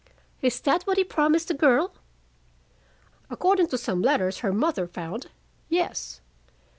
"Is that what he promised the girl?" "According to some letters her mother found, yes.